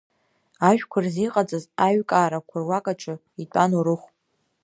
Ажәқәа рзы иҟаҵаз аиҩкаарақәа руакаҿы итәан Орыхә.